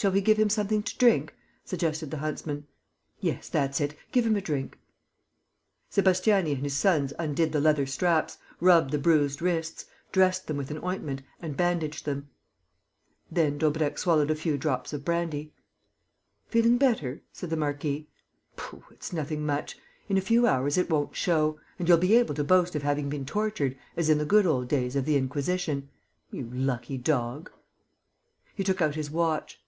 "Shall we give him something to drink?" suggested the huntsman. "Yes, that's it, give him a drink." Sébastiani and his sons undid the leather straps, rubbed the bruised wrists, dressed them with an ointment and bandaged them. Then Daubrecq swallowed a few drops of brandy. "Feeling better?" said the marquis. "Pooh, it's nothing much! In a few hours, it won't show; and you'll be able to boast of having been tortured, as in the good old days of the Inquisition. You lucky dog!" He took out his watch.